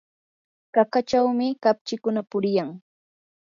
qaqachawmi kapchikuna puriyan.